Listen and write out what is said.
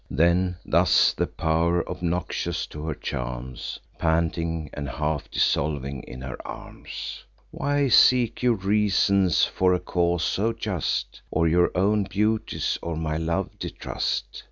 Then thus the pow'r, obnoxious to her charms, Panting, and half dissolving in her arms: "Why seek you reasons for a cause so just, Or your own beauties or my love distrust?